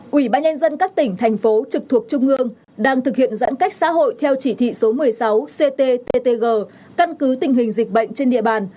quỹ ba nhân dân các tỉnh thành phố trực thuộc trung ương đang thực hiện giãn cách xã hội theo chỉ thị số một mươi sáu cttg căn cứ tình hình dịch bệnh trên địa bàn